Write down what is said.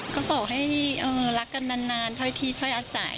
ก็ขอให้รักกันนานถ้อยทีถ้อยอาศัย